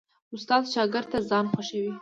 استاد شاګرد ته ځان خوښوي.